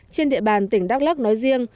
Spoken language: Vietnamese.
trên địa bàn tỉnh đắk lắc nói riêng